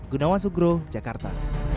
gunawan sugro jakarta